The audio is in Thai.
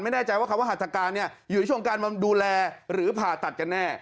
ไม่แน่ใจว่าคำว่าหัตถการอยู่ในช่วงการมาดูแลหรือผ่าตัดกันแน่